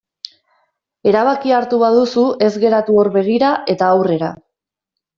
Erabakia hartu baduzu ez geratu hor begira eta aurrera.